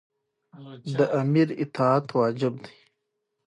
کوم اسلامه خبرې کوې.